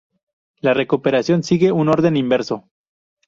La recuperación sigue un orden inverso.